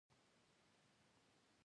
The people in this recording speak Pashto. غیبت مه کوئ